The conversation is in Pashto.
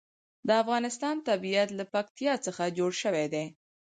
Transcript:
د افغانستان طبیعت له پکتیا څخه جوړ شوی دی.